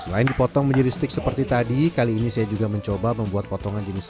selain dipotong menjadi stik seperti tadi kali ini saya juga mencoba membuat potongan jenis